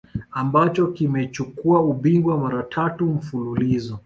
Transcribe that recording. ambacho kimechukua ubingwa mara tatu mfululizo